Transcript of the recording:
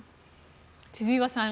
千々岩さん